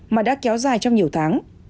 mà đã kéo dài trong nhiều tháng